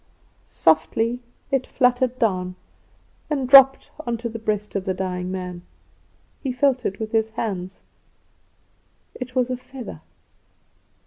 Softly it fluttered down, and dropped on to the breast of the dying man. He felt it with his hands. It was a feather.